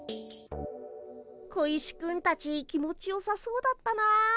小石くんたち気持ちよさそうだったなあ。